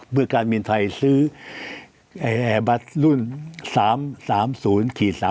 เมื่อการบินไทยซื้อแอร์บัตรรุ่น๓๓๐๓๐๐